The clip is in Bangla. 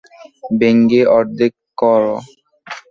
ভেঙে অর্ধেক করো।